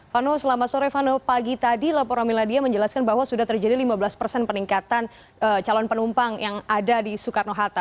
vano selamat sore vano pagi tadi laporan miladia menjelaskan bahwa sudah terjadi lima belas persen peningkatan calon penumpang yang ada di soekarno hatta